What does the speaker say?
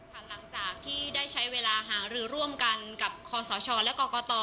หลังจากที่ได้ใช้เวลาหารือร่วมกันกับคอสชและกรกต